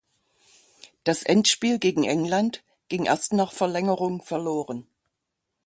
Das Endspiel gegen England ging erst nach Verlängerung verloren.